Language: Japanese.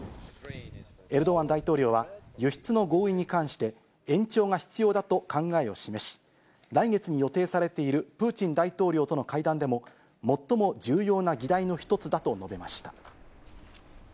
エルドアン大統領は、輸出の合意に関して、延長が必要だと考えを示し、来月に予定されているプーチン大統領との会談でも最も重要な議題の一つだと述べました。